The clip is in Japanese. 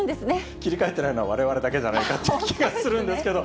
切り替えてないのはわれわれだけじゃないかという気がするんですけど。